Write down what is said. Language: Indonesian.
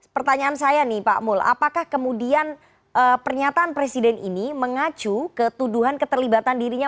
pertanyaan saya nih pak muld apakah kemudian pernyataan presiden ini mengacu ketuduhan keterlibatan dirinya